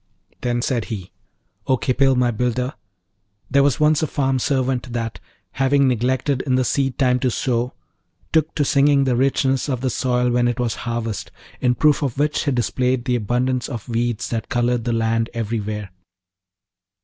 Then said he, 'O Khipil, my builder, there was once a farm servant that, having neglected in the seed time to sow, took to singing the richness of his soil when it was harvest, in proof of which he displayed the abundance of weeds that coloured the land everywhere.